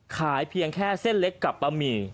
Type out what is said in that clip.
เพียงแค่เส้นเล็กกับบะหมี่